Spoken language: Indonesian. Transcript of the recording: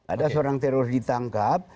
ada seorang teroris ditangkap